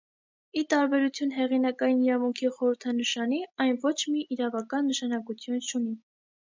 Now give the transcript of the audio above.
Ի տարբերություն հեղինակային իրավունքի խորհրդանշանի՝ այն ոչ մի իրավական նշանակություն չունի։